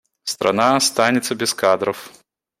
Страна останется без кадров!